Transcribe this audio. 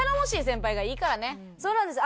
そうなんですよ。